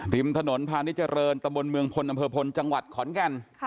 ริมถนนพาณิเจริญตะบนเมืองพลอำเภอพลจังหวัดขอนแก่น